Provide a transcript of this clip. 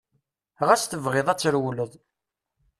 Ɣas tebɣiḍ ad trewleḍ.